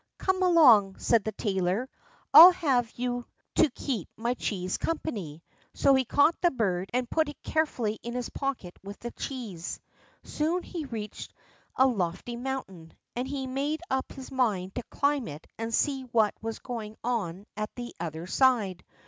"Come along," said the tailor; "I'll have you to keep my cheese company"; so he caught the bird and put it carefully into his pocket with the cheese. Soon he reached a lofty mountain, and he made up his mind to climb it and see what was going on at the other side.